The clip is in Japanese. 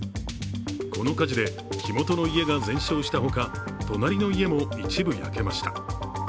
この火事で、火元の家が全焼したほか、隣の家も一部焼けました。